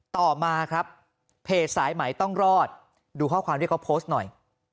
ต่อมาครับเพจสายไหมต้องรอดดูข้อความที่เขาโพสต์หน่อย